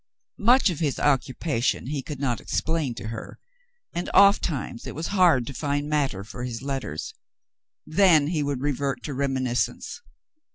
Much of his occupation he could not explain to her, and of ttimes it was hard to find matter for his letters ; then he would revert to reminiscence.